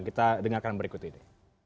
kita dengarkan berikut ini